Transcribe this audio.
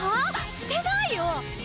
してないよ！